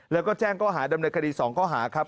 แล้วก็แจ้งข้อหาดำเนินคดี๒ข้อหาครับ